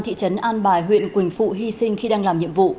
thị trấn an bài huyện quỳnh phụ hy sinh khi đang làm nhiệm vụ